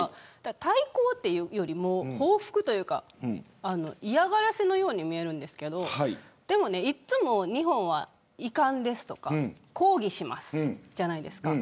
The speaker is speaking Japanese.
対抗というよりも報復というか嫌がらせのように見えるんですけどでも、いつも日本は遺憾ですとか抗議しますじゃないですか。